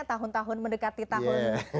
tahun tahun mendekati tahun